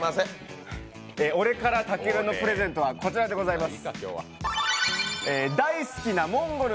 俺からたけるへのプレゼントはこちらです。